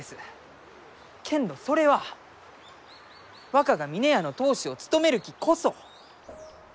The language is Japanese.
けんどそれは若が峰屋の当主を務めるきこそ！